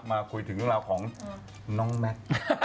มาคุยถึงเราก็ของน้องแมท